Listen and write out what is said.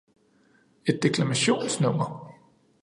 Et deklamationsnummer.